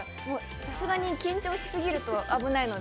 さすがに緊張しすぎると危ないので。